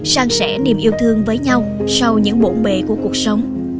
sang sẻ niềm yêu thương với nhau sau những bổn bề của cuộc sống